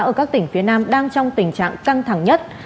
ở các tỉnh phía nam đang trong tình trạng căng thẳng nhất